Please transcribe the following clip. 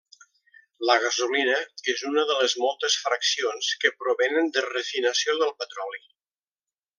La gasolina és una de les moltes fraccions que provenen de refinació de petroli.